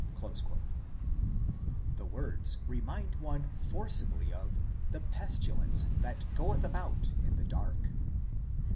..." 2 The words remind one forcibly of " the pestilence that goeth about in the dark."